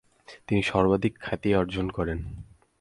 তিনি সর্বাধিক খ্যাতি অর্জন করেন।